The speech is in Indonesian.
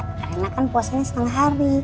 karena kan puasanya setengah hari